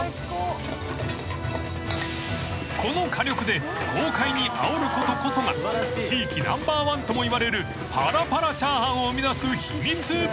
［この火力で豪快にあおることこそが地域ナンバーワンともいわれるパラパラチャーハンを生みだす秘密］